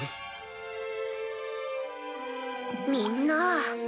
みんな。